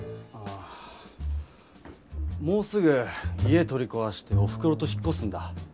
ああもうすぐ家取りこわしておふくろと引っこすんだ。